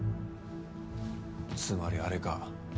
つまりあれか。